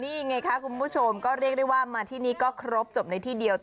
นี่ไงคะคุณผู้ชมก็เรียกได้ว่ามาที่นี่ก็ครบจบในที่เดียว